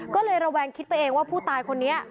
ก็เลยระแวงคิดไปเองว่าผู้ตายคนนี้